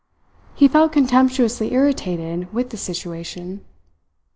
He felt contemptuously irritated with the situation.